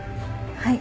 はい。